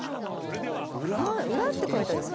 「裏」って書いてあります？